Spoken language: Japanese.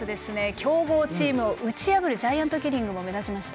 強豪チームを打ち破るジャイアントキリングも目立ちました。